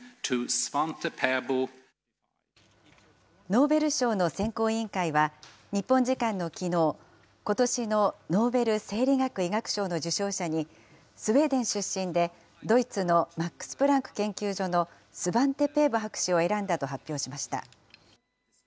ノーベル賞の選考委員会は、日本時間のきのう、ことしのノーベル生理学・医学賞の受賞者に、スウェーデン出身で、ドイツのマックス・プランク研究所のスバンテ・ペーボ博士を選んだと発表しました。